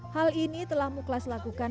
hal ini telah muklas lakukan